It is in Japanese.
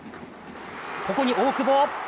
ここに大久保！